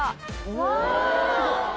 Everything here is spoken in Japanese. うわ！